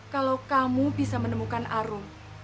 kalau kamu bisa menemukan arung